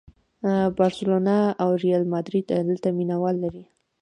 بارسلونا او ریال ماډریډ دلته مینه وال لري.